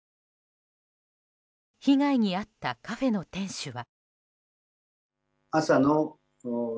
被害に遭ったカフェの店主は。